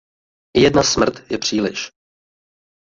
I jedna smrt je příliš.